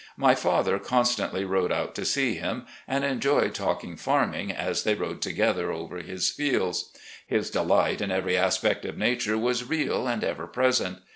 My father constantly rode out to see him, and enjoyed talking farming as they rode together over his fields. His delight in every aspect of Nature was real and ever present.